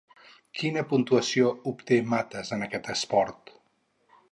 Quina puntuació obté Matas en aquest esport?